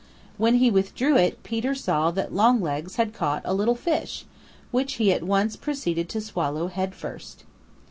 When he withdrew it Peter saw that Longlegs had caught a little fish which he at once proceeded to swallow head first.